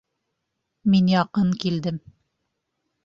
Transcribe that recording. Мин яҡын килдем.